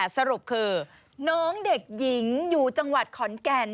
สรุปคือน้องเด็กหญิงอยู่จังหวัดขอนแก่น